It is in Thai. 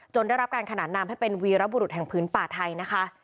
ได้รับการขนานนามให้เป็นวีรบุรุษแห่งพื้นป่าไทยนะคะ